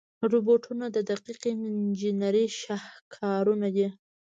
روبوټونه د دقیق انجنیري شاهکارونه دي.